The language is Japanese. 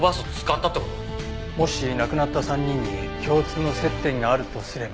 もし亡くなった３人に共通の接点があるとすれば。